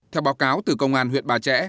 theo báo cáo từ công an huyện bà trẻ